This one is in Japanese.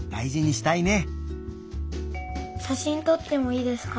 しゃしんとってもいいですか？